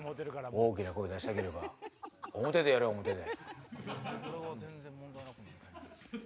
大きな声出したければ表でやれ表で。